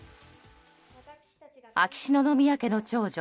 秋篠宮家の長女